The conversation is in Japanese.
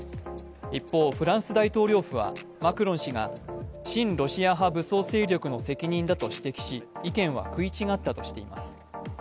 一方、フランス大統領府はマクロン氏が親ロシア派武装勢力の責任だと指摘し、意見は食い違ったとしています。